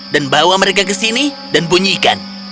dan bawa mereka ke sini dan bunyikan